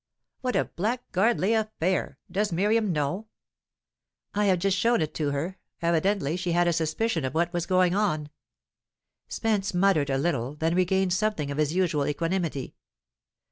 "What a blackguardly affair! Does Miriam know?" "I have just shown it her. Evidently she had a suspicion of what was going on." Spence muttered a little; then regained something of his usual equanimity.